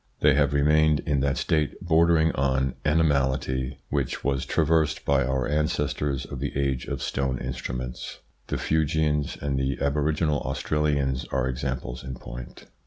They have remained in that state bordering on animality which was traversed by our ancestors of the age of stone instruments. The Fuegians and the aboriginal Australians are examples in point.